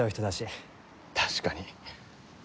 確かに。